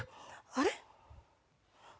あれ？